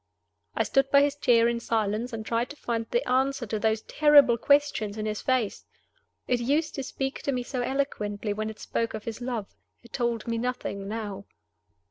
I stood by his chair in silence, and tried to find the answer to those terrible questions in his face. It used to speak to me so eloquently when it spoke of his love. It told me nothing now.